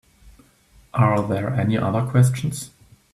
Are there any other questions?